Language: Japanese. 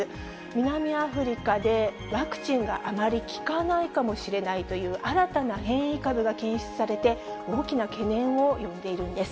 南アフリカで、ワクチンがあまり効かないかもしれないという新たな変異株が検出されて、大きな懸念を呼んでいるんです。